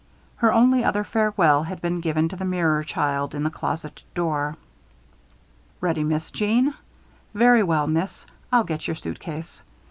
Her only other farewell had been given to the mirror child in her closet door. "Ready, Miss Jeanne? Very well, Miss. I'll get your suitcase.